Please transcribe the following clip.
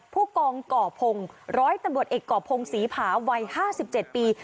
ผู้กองก่อพงร้อยตำรวจเอกก่อพงศรีผาวัย๕๗ปี